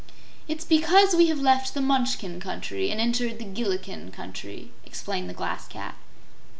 "It's because we have left the Munchkin Country and entered the Gillikin Country," explained the Glass Cat.